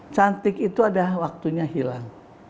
cantik itu ada waktunya hilang